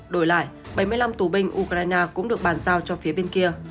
đổi lại bảy mươi năm tù binh ukraine cũng được bàn giao cho phía bên kia